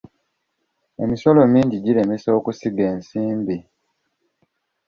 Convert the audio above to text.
Emisolo emingi giremesa okusiga ensimbi.